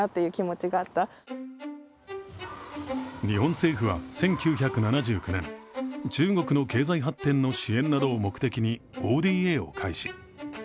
日本政府は１９７９年、中国の経済発展の支援などを目的にＯＤＡを開始。